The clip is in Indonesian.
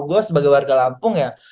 gue sebagai warga lampung ya